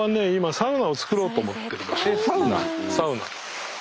サウナ。